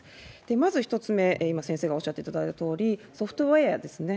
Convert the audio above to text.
まず１つ目、今、先生がおっしゃっていただいたとおり、ソフトウエアですね。